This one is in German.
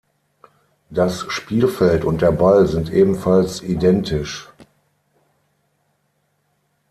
Das Spielfeld und der Ball sind ebenfalls identisch.